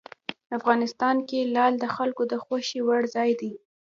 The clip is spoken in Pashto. افغانستان کې لعل د خلکو د خوښې وړ ځای دی.